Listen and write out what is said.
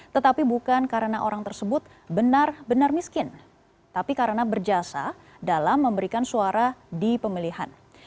tetapi bukan karena orang tersebut benar benar miskin tapi karena berjasa dalam memberikan suara di pemilihan